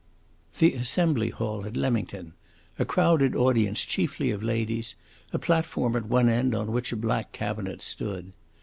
The Assembly Hall at Leamington, a crowded audience chiefly of ladies, a platform at one end on which a black cabinet stood.